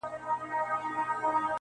فیصله وکړه خالق د کایناتو -